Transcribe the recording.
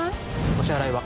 ・お支払いは？